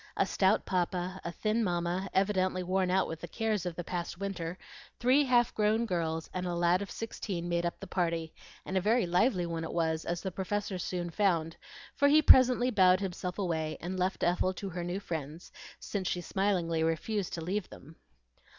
A stout papa, a thin mamma, evidently worn out with the cares of the past winter, three half grown girls, and a lad of sixteen made up the party; and a very lively one it was, as the Professor soon found, for he presently bowed himself away, and left Ethel to her new friends, since she smilingly refused to leave them.